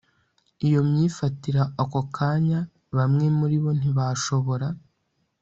iyo myifatire ako kanya Bamwe muri bo ntibashobora